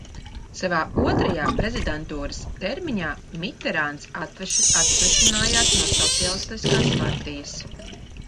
Savā otrajā prezidentūras termiņā Miterāns atsvešinājās no Sociālistiskās partijas.